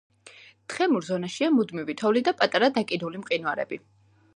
თხემურ ზონაშია მუდმივი თოვლი და პატარა დაკიდული მყინვარები.